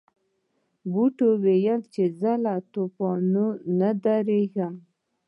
بوټي ویل چې زه له طوفان نه یریږم.